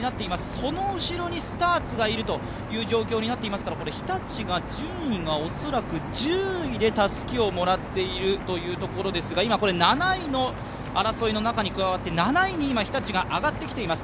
その後ろにスターツがいるという状況になっていますから日立が順位が恐らく１０位でたすきをもらっていますが、今、７位の争いの中に加わって日立が上がってきています。